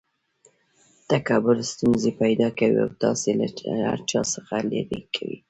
تکبر ستونزي پیدا کوي او تاسي له هر چا څخه ليري کوي.